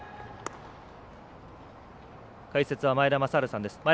解説は前田正治さんです。